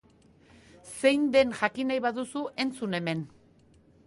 Zein den jakin nahi baduzu, entzun hemen.